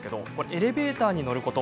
エレベーターに乗ること